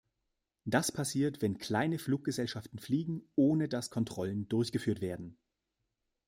Das passiert, wenn kleine Fluggesellschaften fliegen, ohne dass Kontrollen durchgeführt werden.